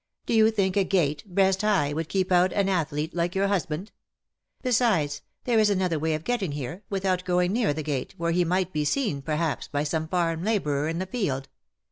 " Do you think a gate, breast high, would keep out an athlete like your husband ? Besides, there is another way of getting here, without going near the gate, where he might be seen, perhaps, by some farm labourer in the field.